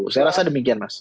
saya rasa demikian mas